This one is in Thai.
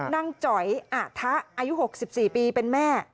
จ๋อยอาทะอายุ๖๔ปีเป็นแม่